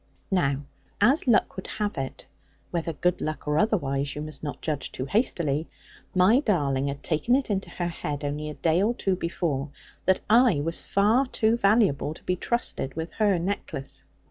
Now as luck would have it whether good luck or otherwise, you must not judge too hastily, my darling had taken it into her head, only a day or two before, that I was far too valuable to be trusted with her necklace.